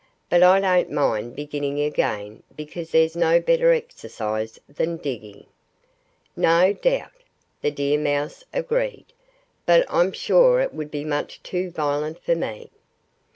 But I don't mind beginning again because there's no better exercise than digging." "No doubt!" the deer mouse agreed. "But I'm sure it would be much too violent for me."